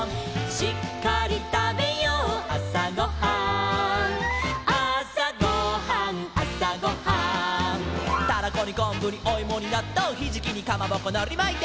「しっかりたべようあさごはん」「あさごはんあさごはん」「タラコにこんぶにおいもになっとう」「ひじきにかまぼこのりまいて」